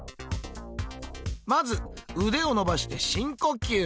まず腕を伸ばして深呼吸。